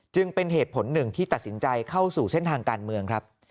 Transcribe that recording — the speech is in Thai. เป็นเหตุผลหนึ่งที่ตัดสินใจเข้าสู่เส้นทางการเมืองครับ